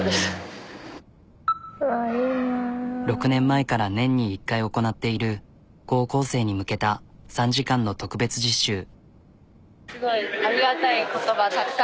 ６年前から年に１回行なっている高校生に向けた３時間の特別実習。